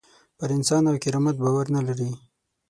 پر انسان او کرامت باور نه لري.